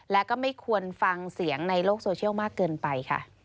และก็ไม่ควรฟังเสียงในโลกโซเชียลมากเกินไปค่ะ